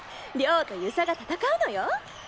亮と遊佐が戦うのよ。